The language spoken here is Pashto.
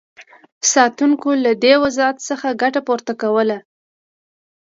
ساتونکو له دې وضعیت څخه ګټه پورته کوله.